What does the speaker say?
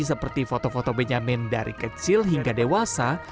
seperti foto foto benyamin dari kecil hingga dewasa